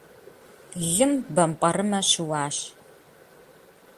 Лым бампӏэрымэ щыуащ.